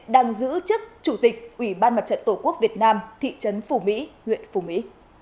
đang giữ chức chủ tịch ubnd tổ quốc việt nam thị trấn phù mỹ huyện phù mỹ